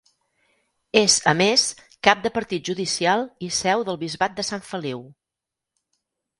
És a més cap de partit judicial i seu del bisbat de Sant Feliu.